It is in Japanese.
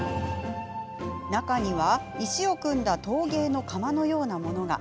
中には石を組んだ陶芸の窯のようなものが。